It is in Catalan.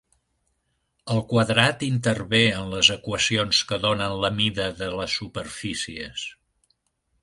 El quadrat intervé en les equacions que donen la mida de les superfícies.